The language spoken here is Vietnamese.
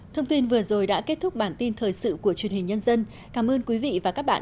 thông tin vừa rồi đã kết thúc bản tin thời sự của truyền hình nhân dân cảm ơn quý vị và các bạn